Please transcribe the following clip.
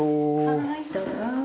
はいどうぞ。